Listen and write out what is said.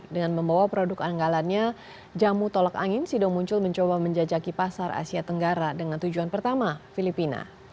dengan membawa produk andalannya jamu tolak angin sido muncul mencoba menjajaki pasar asia tenggara dengan tujuan pertama filipina